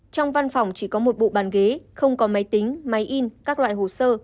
trong văn phòng chỉ có một bộ bàn ghế không có máy tính máy in các loại hồ sơ